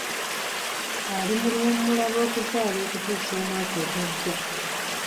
Ali mu luwummula lw'okuzaala okutuusa omwaka ogujja.